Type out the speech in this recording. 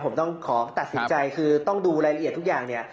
ผมต้องขอตัดสินใจคือต้องดูรายละเอียดทุกอย่างเนี่ย